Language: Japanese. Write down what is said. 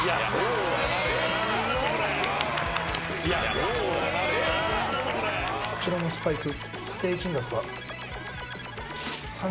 ［そして］こちらのスパイク。